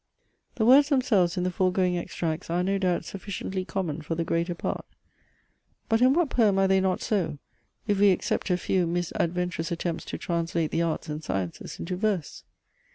The words themselves in the foregoing extracts, are, no doubt, sufficiently common for the greater part. But in what poem are they not so, if we except a few misadventurous attempts to translate the arts and sciences into verse?